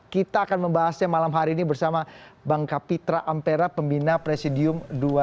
kita akan membahasnya malam hari ini bersama bangka pitra ampera pemindah presidium dua ratus dua belas